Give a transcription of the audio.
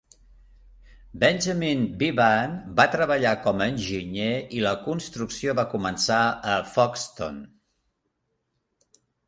Benjamin Bevan va treballar com a enginyer i la construcció va començar a Foxton.